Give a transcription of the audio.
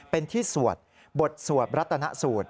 เป็นที่สวดบทสวดรัตนสูตร